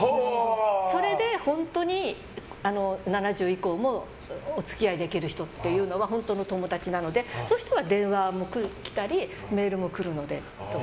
それで本当に７０以降もお付き合いできる人が本当の友達なのでそういう人は電話も来たりメールも来るので。